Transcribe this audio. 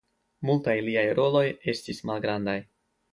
Multaj liaj roloj estis malgrandaj.